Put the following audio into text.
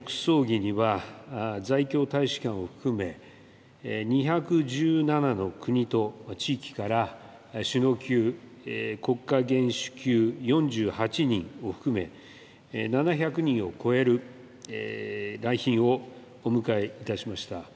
今回、国葬儀には在京大使館を含め、２１７の国と地域から首脳級、国家元首級４８人を含め、７００人を超える来賓をお迎えいたしました。